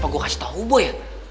apa gue kasih tau boy